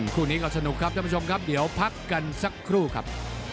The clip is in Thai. คู่นี้ก็สนุกครับท่านผู้ชมครับเดี๋ยวพักกันสักครู่ครับ